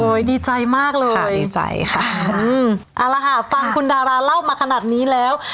ดีใจมากเลยดีใจค่ะอืมเอาละค่ะฟังคุณดาราเล่ามาขนาดนี้แล้ว